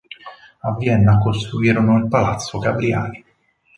A Vienna costruirono il Palazzo Cavriani.